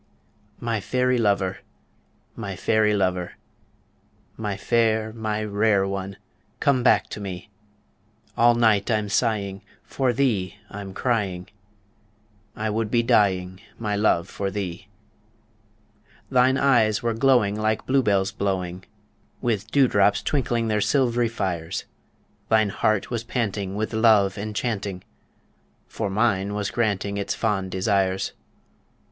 My fairy lover, my fairy lover, My fair, my rare one, come back to me All night I'm sighing, for thee I'm crying, I would be dying, my love, for thee. Thine eyes were glowing like blue bells blowing, With dew drops twinkling their silvery fires; Thine heart was panting with love enchanting, For mine was granting its fond desires.